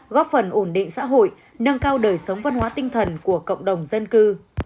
góp phần ổn định xã hội nâng cao đời sống văn hóa tinh thần của cộng đồng dân cư